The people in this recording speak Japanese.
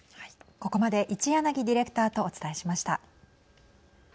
ここまで一柳ディレクターとお伝えしました。